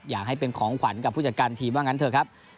อยากให้เป็นของขวัญกับผู้จัดการทีมว่างั้นเถอะครับ